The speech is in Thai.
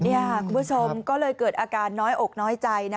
นี่ค่ะคุณผู้ชมก็เลยเกิดอาการน้อยอกน้อยใจ